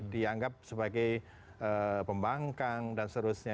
dianggap sebagai pembangkang dan seterusnya